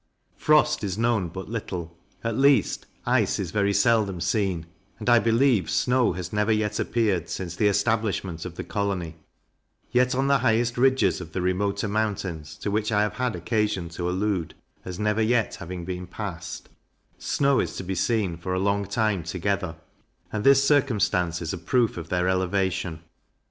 Frost is known but little; at least, ice is very seldom seen; and, I believe, snow has never yet appeared since the establishment of the colony: Yet on the highest ridges of the remoter mountains, to which I have had occasion to allude as never yet having been passed, snow is to be seen for a long time together; and this circumstance is a proof of their elevation.